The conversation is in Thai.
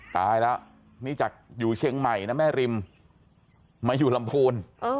ตายแล้วนี่จากอยู่เชียงใหม่นะแม่ริมมาอยู่ลำพูน